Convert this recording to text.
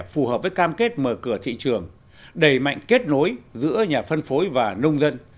phù hợp với cam kết mở cửa thị trường đẩy mạnh kết nối giữa nhà phân phối và nông dân